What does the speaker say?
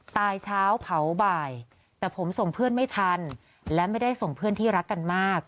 เช้าเผาบ่ายแต่ผมส่งเพื่อนไม่ทันและไม่ได้ส่งเพื่อนที่รักกันมาก